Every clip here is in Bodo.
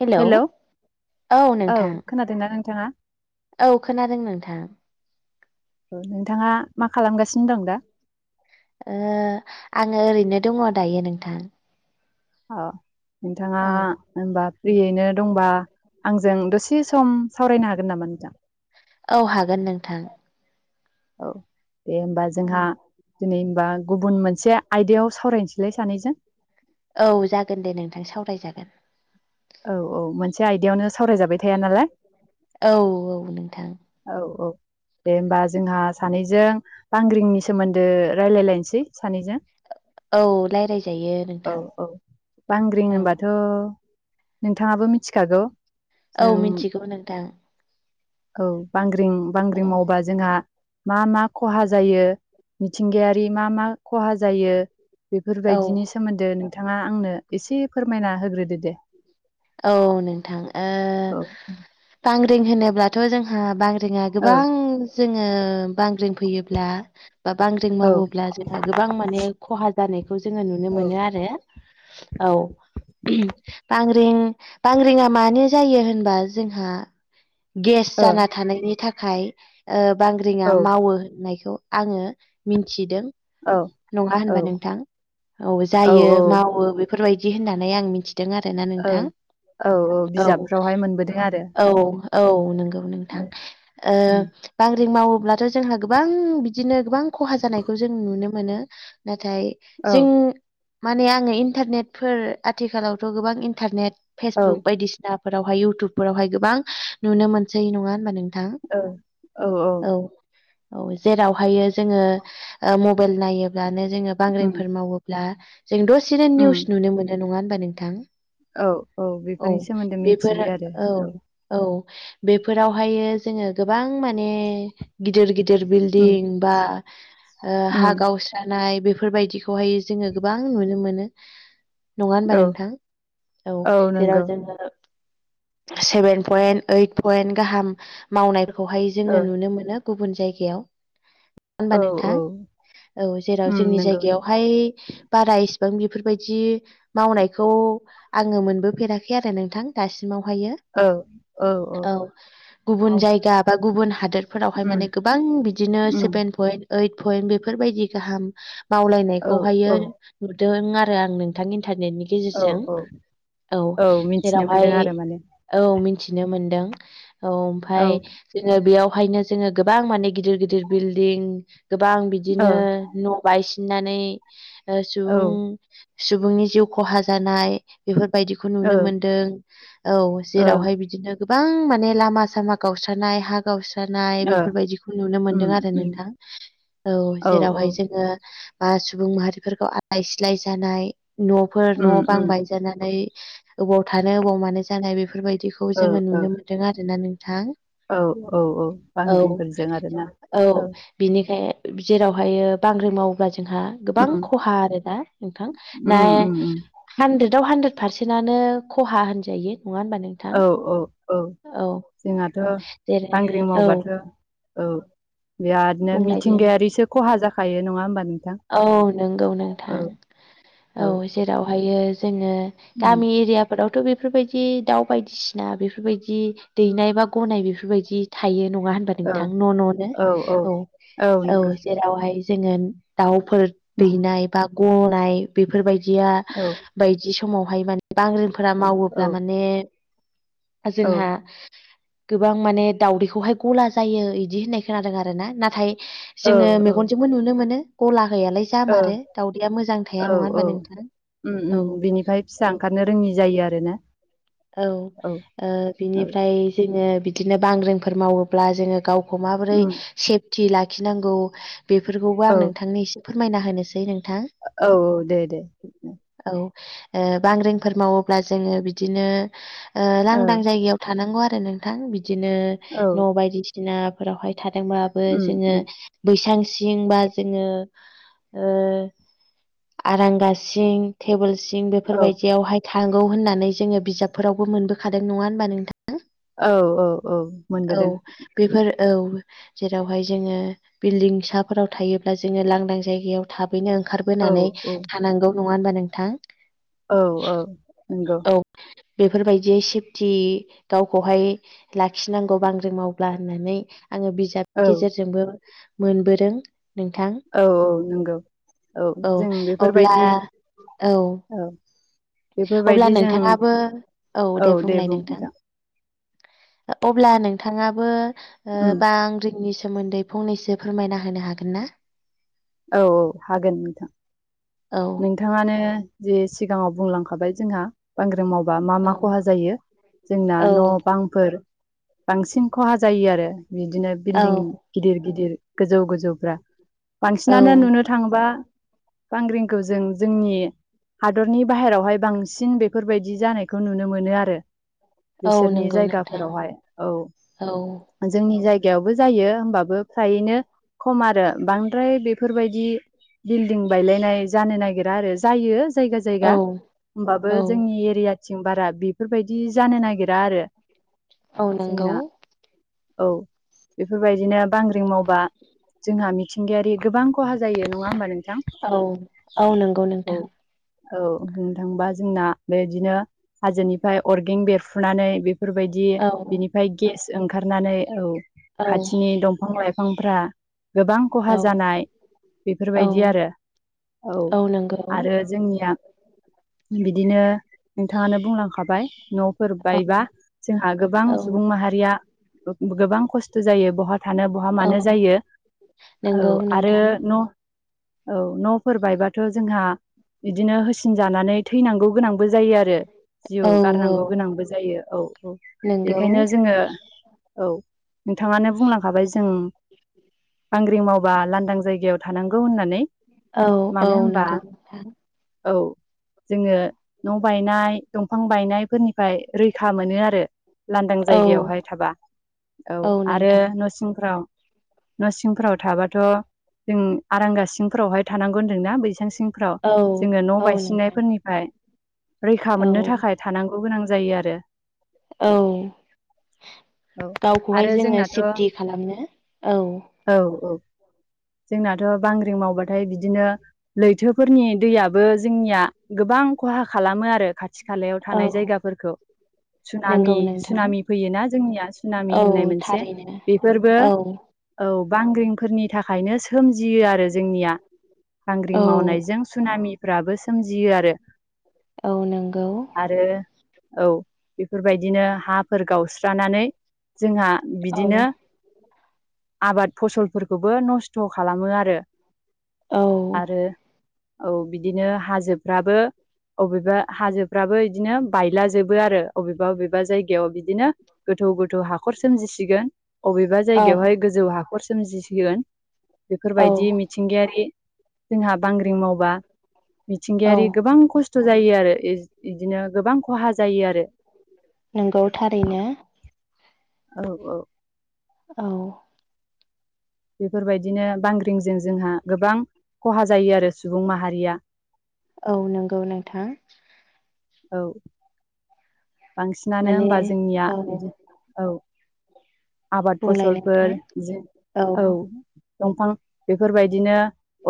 हेलौ हेल' औ खोनादोंना नोंथाङा? औ खोनादों नोंथां। औ नोंथाङा मा खालामगासिनो दं दा? आङो ओरैनो दङ दायो नोंथां। औ नोंथाङा औ होनबा फ्रियैनो दंबा आंजों दसे सम सावरायनो हागोन नामा नोंथां। औ हागोन नोंथां। औ दे होनोमबा औ जोंहा दिनै हबा गुबुन मोनसे आयदायाव सावरायनोसैलाय सानैजों औ जागोन दे नोंथां सावरायजागोन। औ औ मोनसे आयदायावनो सावरायजाबाय थाया नालाय। औ औ नोंथां। औ औ दे होमबा जोंहा सानैजों बांग्रिंनि सोमोन्दो रायलायलायनोसै सानैजों औ रायज्लायजायो औ नोंथां औ बांग्रि औ होनबाथ' नोंथाङाबो मिथिखागौ औ जों मिथिगौ नोंथां। औ बांग्रिं बांग्रिं औ मावबा जोंहा मा मा खहा जायो मिथिंगायारि मा मा खहा जायो औ बेफोरबायदिनि सोमोन्दै नोंथाङा आंनो एसे फोरमायना होग्रोदो दे औ नोंथां ओ औ बांग्रिं होनोब्लाथ' जोंहा बांग्रिङा औ गोबां जोङो बांग्रिं फैयोब्ला बा बांग्रिं औ मावोब्ला जोंहा गोबां माने खहा जानायखौ जोङो नुनो औ मोनो आरो औ गांग्रि बांग्रिङा मानो जायो होनबा जोंहा गेस औ जाना थानायनि थाखाय थाखाय बांग्रिङा औ मावो होननायखौ आङो मिन्थिदों औ नङा औ होनबा नोंथां औ जायो ओं मावो बे बेफोरबायदि होननानै आं मिथिदों आरोना नोंथां औ औ बिजाबफ्रावहाय मोनबोदों आरो औ औ नंगौ औ नोंथां बांग्रिं मावोब्लाथ' जोंहा गोबां बिदिनो गोबां खहा जानायखौ जों नुनो मोनो नाथाय जों माने आङो इन्टारनेटफोर आथिखालावथ' गोबां इन्टारनेट औ फेसबुक बायदिसिनाफोरावहाय इउटुबफोरावहाय गोबां नुनो मोनसै नङा होनबा नों नोंथां औ औ जेरावहाय जोङो मबाइल नायोब्लानो जोङो उम बांग्रेंफोर मावोब ब्ला जों द' सिरिेन उम निउस नुनो मोनो नङा होनबा नोंथां औ औ औ बेफोरनि सोमोन्दै मिथियो बेफोर आरो औ औ बेफोरावहायो जोङो गोबां माने गिदिर गिदिर गिदिर उम बिलदिं बा उम हा गावस्रानाय बेफोरबायदि खौहाय जोङो गोबां नुनो मोनो नङा होनबा औ नोंथां औ जेराव सेभेन पयेन्ट ओइट पयेन्ट गाहाम मावनायखौहाय जोङो औ नुनो मोनो गुबुन जायगायाव ङा होनबा औ नोंथां औ औ जेराव उम जोंनि नंगौ जायगायावहाय बारा इसिबां बेफोरबायदि मावनायखौ आङो मोनबो फेराखै आरो नोंथां दासिमावहायो औ औ गुबुन औ जायगा बा गुबुन हादोरफोरावहाय उम माने गोबां बिदिनो उम सेभेन पइन्ट ओइद पइन्ट बेफोरबायदि गाहाम औ मावलायनायखौहायो औ नुदों आरो आं नोंथांनि इन्थारनेटनि औ गेजेरजों औ औ मिथिनो जेरावहाय मोनदों आरो माने औ मिथिनो मोनदों औ औ ओमफाय ओ [unintelligible] बेयावहायनो जोङो गोबां माने गिदिर गिदिर बिल्डिं गोबां औ बिदिनो न' बायसिननानै ओ सुबुं सुबुंनि जिउ खहा जानाय बेफोरबायदि [unintelligible] खौ ओ नुनो मोनदों औ ओ जेरावहाय बिदिनो गोबां माने लामा सामा गावसानाय हा गावसानाय बेफोरबायदिखौ नुनो उम मोनदों आरो उम नोंथां। औ जेरावहाय जोङो बा सुबुं माहारिफोरखौ आलाय सिलाय जानाय न'फोर उम न' बां उम बायजानानै अबाव थानो अबाव मानो जानाय बेफोरबायदिखौ ओ जोङो ओ नुनो मोनदों आरो ना नोंथां। औ औ औ औ बांग्रिंफोरजों आरोना औ। बिनिखाय जेरावहायो बांग्रि मावोब्ला जोंहा उम गोबां खहा आरो ना नोंथां ना उम उम उम हानद्रेदाव हानद्रेद फारसेन्टआनो खहा होनजायो नङा होनबा नों औ औ औ जोंहाथ' औ जेरै बांग्रि औ मावबाथ' औ बिरादनो बुंलाय दे मिथिंगायारिसो खहा जाखायो नङा होमबा नोंथां। औ नंगौ औ नोंथां औ जेरावहायो जोङो उम गामि एरियाब फोरावथ' बेफोरबायदि दाउ बायदिसिना बेफोरबायदि दैनाय बा गनाय बेफोरबायदि थायो नङा होन [unintelligible] ओ नोंथां न' न'नो औ औ जे बेवहाय जोङो दाउफोर दैनाय बा गनाय बेफोरबायदिया औ बायदि समावहाय माने बांग्रिंफोरा औ मावोब्ला माने ओ औ जोंहा गोबां माने दावदैखौहाय गला जायो इदि होननाय खोनादों आरोना नाथाय औ जोङो मेगनजोंबो नुनो मोनो गला होयालाय औ जामारो दावदैया मोजां थाया औ नङा औ होमबा नोंथां। उम औ उम बिनिफाय फिसा औ ओंखारनो रोङि जायो आरोना। औ ओ औ बिनिफ्राय जोङो बि दिनो बांग्रिंफोर मावोब्ला जोङो गावखौ माबोरै उम सेफटि लाखिनांगौ बेफोरखौबो औ आं नोंथांनो एसे फोरमायना होनोसै नोंथां। औ दे दे। औ ओ बांग्रिंफोर मावोब्ला जोङो बिदिनो ओ औ लांदां जायगायाव थानांगौ आरो नोंथां बिदिनो औ न' बायदिस दिनाफोरावहाय थादोंबाबो उम जोङो उम बैसां सिं बा जोङो ओ आरांगासिं थेबोल सिं औ बेफोरबायदियावहाय थांगौ होननानै जोङो बिजाबफोरावबो मोनबोखादों नङा होनबा नोंथा औ औ औ [unintelligible] औ। मोनबोदों बेफोर औ जेरावहाय जोङो बिल्दिंसाफोराव थायोब्ला जोङो लांदां जायगायाव थाबैनो ओंखार औ बोनानै औ थानांगौ नङा होनबा नोंथां? औ ओ नंगौ। औ बेफोरबायदि सिफथि गावखौहाय लाखिनांगौ बांग्रि मावब्ला होननानै आङो बिज औ जाबनि गेजेरजोंबो मोनबोदों नोंथां। औ औ नंगौ औ जों अब्ला बेफोरबायदि औ। अब्ला बेफोरबायदि जों नोंथाङाबो औ दे बुंलाय नोंथां [unintelligible] अब्ला नोंथाङाबो ओ उम बां रिंनि सोमोन्दै फंनैसो फोरमायना होनो हागोन ना? औ औ हागोन नोंथां। औ। नोंथाङानो जे सिगाङाव बुंलांखाबाय जोंहा। बांग्रिं मावबा मा औ मा खहा जायो जोंना न औ बांफोर बांसिन खहा जायो आरो बिदिनो औ बिल्डिं। गिदिर गिदिर गोजौ गोजौफ्रा औ बांसिनानो नुनो थांबा बांग्रिं। खौ जों जोंनि। हादरनि बाहेरायावहाय बांसिन बेफोरबायदि जानायखौ नुनो मोनो आरो। औ बिसोरनि नंगौ नोंथां जायगाफोरावहाय औ। जोंनि जायगायावबो जायो होमबाबो फ्रायैनो। खम आरो बांद्राय बेफोरबायदि बिल्डिं बायलायनाय जानो नागिरा आरो जायो जायगा जायगा औ होमबाबो औ जोंनि एरिया। आथिं बारा बेफोरबायदि जानो नागिरा आरो औ नंगौ जोंना। औ बेफोरबायदिनो बांग्रिं मावबा जोंहा मि मिथिंगायारि गोबां खहा जायो नङा होमबा नोंथां। औ औ नंगौ औ नोंथां औ बुंनो थाङबा जोंना बेदिनो। हाजोनिफ्राय अरगें बेरफ्रुनानै बेफोरबायदि बिदि औ बिनिफ्राय गेस ओंखारनानै औ औ खाथिनि दंफां लाइफांफ्रा। गोबां खहा औ जानाय औ बेफोरबायदि आरो औ आरो जोंनिया बिदिनो नोंथाङानो बुंलांखाबाय न फोर औ बबायबा जोंहा गोबां औ सुबुं माहारिया गोबां खस्थ जायो बहाथ थानो बहा औ मानो जायो नंगौ औ नोंथां आरो न औ न फोरबायबाथ जोंहा बिदिनो होसिनजानानै थैनांगौ गोनांबो जायो आरो। जिउ औ गारनांगौ औ गोनांबो जायो औ औ नंगौ बेखायनो जोङो। औ नोंथाङानो बुंलांखाबाय जों। बांग्रि मावबा लांदां जायगायाव थानांगौ होननानै। औ औ मानो होनबा नंगौ नोंथां औ। जोङो न बायनाय दंफां बायनायफोरनिफ्राय रैखा मोनो आरो। लांदां औ जायगायावहाय थाबा औ आरो न सिंफ्राव। न सिंफोराव थाबाथ जों आरांगा सिंफोरावहाय थानांगौ होन्दोंना बैसां सिं फ्राव औ जोङो न औ नोंथां बायसिननायफोरनिफ्राय रैखा औ मोननो थाखाय थानांगौ गोनां जायो आरो। औ औ गावखौहाय आरो जोङो जोंनाथ' सेफटि खालामनो औ। औ औ जोंनाथ बांग्रिं मावबा थाय बिदिनो लैथोफोरनि दैयाबो जोंनिया गोबां खहा खालामो आरो खाथि थि खालायाव औ थानाय जायगाफोरखौ। सुनामि नंगौ नोंथां सुनामि फैयोना जोंनिया सामि औ होननाय मोनसे थारैनो बेफोरबो। औ औ बांग्रिंफोरनि थाखायनो सोमजियो आरो जोंनिया। औ बांग्रिं मावनायजों सुनामिफ्राबो सोमजियो आरो। औ नंगौ आरो औ बेफोरबायदिनो हाफोर गावस्रानानै जोंहा। औ बिदिनो आबाद फसलफोरखौबो नस्थ खालामो आरो। औ आरो औ बिदिनो हाजोफ्राबो। अबेबा हाजोफ्राबो इदिनो बायलाजोबो आरो अबेबा अबेबा जायगायाव इदिनो। गोथौ गोथौ हाखर सोमजिसिगोन। अबेबा जायगायावहाय औ गोजौ हाखर सोमजिसिगोन औ बेफोरबायदि मि थिंगायारि जोंहा बांग्रिं मावबा औ मिथिंगायारि गोबां खस्थ स्थ जायो आरो इदिनो गोबां खहा जायो आरो। नोंगौ थारैनो। औ औ औ बेफोरबायदिनो बांग्रिंजों जोंहा गोबां खहा जायो आरो सुबुं माहारिया। औ नंगौ नोंथां औ बांसिनानो माने होमबा जोंनिया औ बिदि औ। आबाद बुंलाय नोंथां फसलफोर जि औ। दंफां बेफोरबायदिनो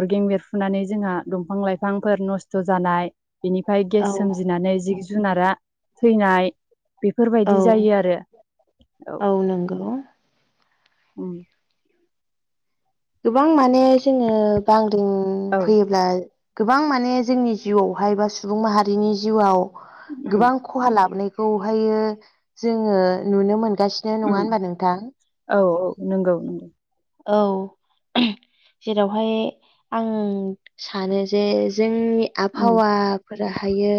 अरगें बेरफुनानै जोंहा दंफां लाइफांफोर नस्थ' जानाय बिनिफ्राय औ गेस सोमजिनानै जिब जुनारा थैनाय। औ बेफोरबायदि जायो आरो औ। औ नांगौ उम गोबां माने जोङो बांग्रिं औ फैयोब्ला गोबां माने जोंनि जिउआवहाय बा सुबुं माहारिनि जिउआव उम गोबां खहा लाबोनायखौहायो जोङो नुनो मोनगासिनो नङा उम हबा नोंथां? औ औ नंगौ नंगौ औ जेरावहाय आं सानो जे जोंनि उम आबहावाफोरा हायो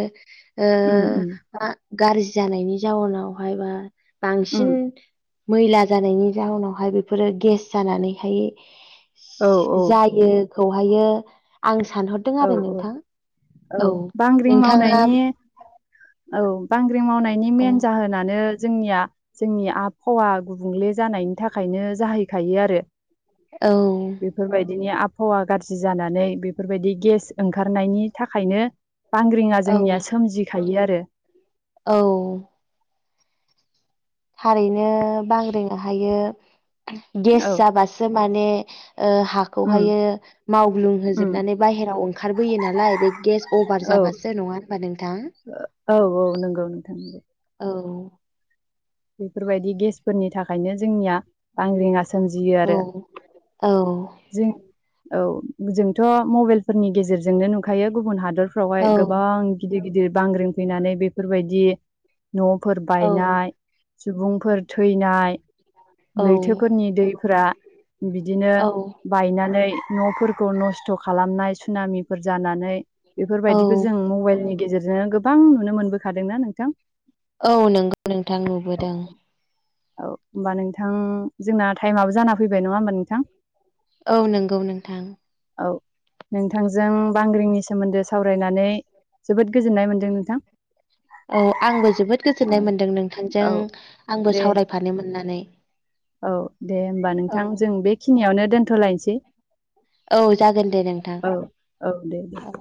ओ उम उम मा गारजि जानायनि जाउनावहाय बा उम बांसिन मैला जानायनि जाउनावहाय बेफोरो गेस जानानैहाय औ औ जायोखौहायो आं सानह औ औ औ बांग्रिं नोंथाङा मावनायनि औ बांग्रि मावनायनि औ मेन जाहोनानो जोंनिया जोंनि आबहावा गुबुंले जानायनि थाखायनो जाहैखायो आरो। औ बेफोरबायदिनि आबहावा गाज्रि जानानै बेफोरबायदि गेस ओंखारनायनि थाखायनो बांग्रिङा औ जोंनिया सोमजिखायो आरो। औ थारैनो बांग्रिंआ हायो गेस औ जाबासो माने ओ उम हाखौहायो उम मावग्लुंहोजोबनानै बाहेरायाव ओंखारबोयो नालाय बे गेस अभार औ जाबासो नङा होमबा नोंथां। औ औ नंगौ नोंथां नंगौ औ बेफोरबायदि गेसफोरनि थाखायनो जोंनिया बांग्रिंआ सोमजियो औ आरो। औ जों औ जोंथ' मबाइलफोरनि गेजेरजोंनो नुखायो गुबुन हादर फ्रावहाय औ गोबां गिदिर गिदिर बांग्रिं फैनानै बेफोरबायदि न'फोर औ बायनाय सुबुंफोर थैनाय औ लैथोफोरनि दैफोरा बिदिनो औ बायनानै न'फोरखौ नस्थ' खालामनाय सुनामिफोर जानानै। औ बेफोरबायदिखौ जों मबाइलनि गेजेरजोंनो गोबां नुनो मोनबोखादोंना नोंथां। औ नोंगौ नोंथां नुबोदों। औ होमबा नोंथां जोंना टाइमाबो जाना फैबाय नङा होमबा नोंथां? औ नंगौ नोंथां। औ नोंथांजों बांग्रिंनि सोमोन्दै सावरायनानै जोबोद गोजोननाय मोनदों नोंथां। औ आंबो जोबोद गोजोननाय मोन्दों नों औ दे मोननानै औ दे होमबा औ नोंथां जों बे खिनियावनो दोनथ'लायनोसै औ जागोन दे नोंथां औ औ दे दे। औ